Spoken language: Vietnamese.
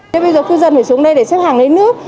thế bây giờ cư dân phải xuống đây để xếp hàng lấy nước